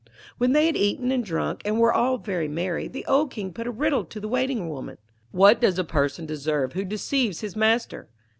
When they had eaten and drunk and were all very merry, the old King put a riddle to the Waiting woman. 'What does a person deserve who deceives his master?'